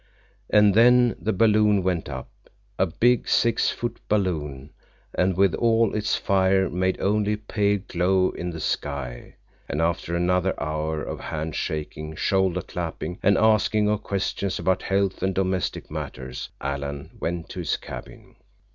And then the balloon went up, a big, six foot balloon, and with all its fire made only a pale glow in the sky, and after another hour of hand shaking, shoulder clapping, and asking of questions about health and domestic matters, Alan went to his cabin.